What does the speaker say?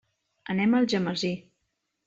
Anem a Algemesí.